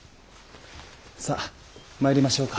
さっ参りましょうか。